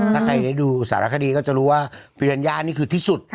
ถ้าใครได้ดูสารคดีก็จะรู้ว่าคุณธัญญานี่คือที่สุด